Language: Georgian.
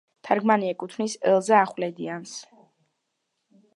თარგმანი ეკუთვნის ელზა ახვლედიანს.